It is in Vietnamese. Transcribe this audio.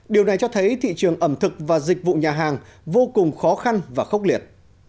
điều này cho thấy thị trường ẩm thực và dịch vụ nhà hàng vô cùng khó khăn và khốc liệt